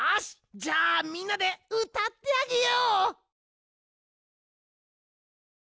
じゃあみんなでうたってあげよう！